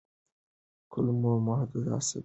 کولمو محور د عصبي او رواني ناروغیو لپاره مهم دی.